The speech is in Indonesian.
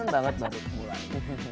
banget baru mulai